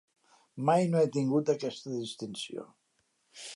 Mai no he tingut aquesta distinció.